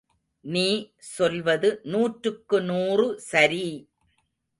நீ சொல்வது நூற்றுக்கு நூறு சரி!